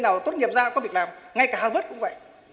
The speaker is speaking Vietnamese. sứ mạng sinh viên nào tốt nghiệp ra có việc làm ngay cả hà vất cũng vậy